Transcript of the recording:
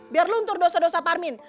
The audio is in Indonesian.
biar lu untur dosa dosa bang parmin